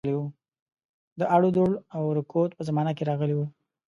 د اړودوړ او رکود په زمانه کې راغلی وو.